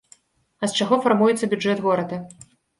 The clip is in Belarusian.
А з чаго фармуецца бюджэт горада?